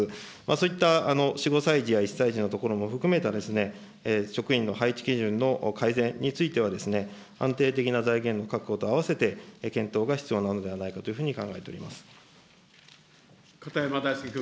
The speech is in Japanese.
そういった４、５歳児や１歳児のところも含めた、職員の配置基準の改善については、安定的な財源の確保とあわせて検討が必要なのではないかというふ片山大介君。